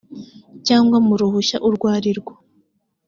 cyangwa mu ruhushya urwo arirwo